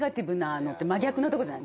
真逆なとこじゃないですか。